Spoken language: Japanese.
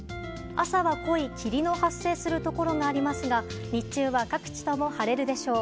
朝は濃い霧の発生するところがありますが日中は各地とも晴れるでしょう。